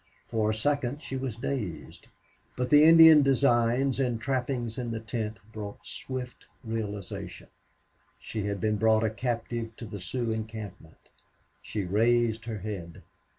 For a second she was dazed. But the Indian designs and trappings in the tent brought swift realization she had been brought captive to the Sioux encampment. She raised her head.